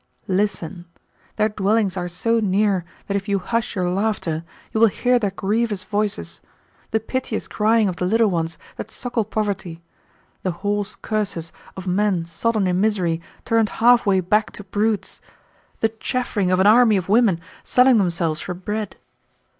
Listen! their dwellings are so near that if you hush your laughter you will hear their grievous voices, the piteous crying of the little ones that suckle poverty, the hoarse curses of men sodden in misery turned half way back to brutes, the chaffering of an army of women selling themselves for bread.